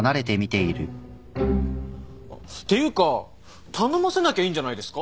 っていうか頼ませなきゃいいんじゃないですか？